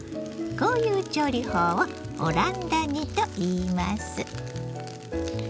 こういう調理法をオランダ煮といいます。